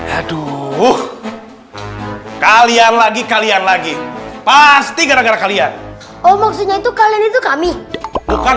aduh kalian lagi kalian lagi pasti gara gara kalian oh maksudnya itu kalian itu kami bukan